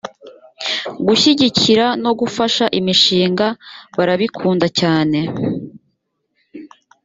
gushyigikira no gufasha imishinga barabikunda cyane